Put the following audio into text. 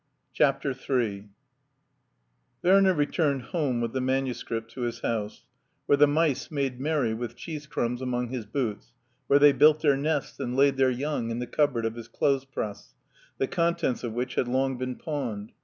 CHAPTER III WERNER returned home with the manuscript to his house, where the mice made merry with cheese crumbs among his boots, where they built their nests and laid their young in the cup board of his clothes press, the contents of which had long been pawned.